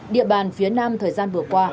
địa bàn phía nam thời gian vừa qua